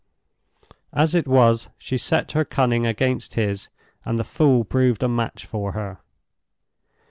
As it was, she set her cunning against his, and the fool proved a match for her.